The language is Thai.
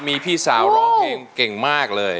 มีพี่สาวร้องเพลงเก่งมากเลย